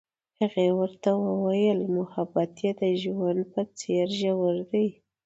هغې وویل محبت یې د ژوند په څېر ژور دی.